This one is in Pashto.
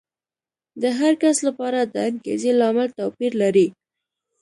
د هر کس لپاره د انګېزې لامل توپیر لري.